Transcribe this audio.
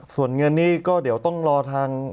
ส่วนเงินนี้ก็เดี๋ยวต้องรอทาง